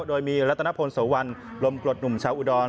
โดยมีรัตนพลโสวันลมกรดหนุ่มชาวอุดร